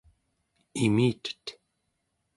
imitet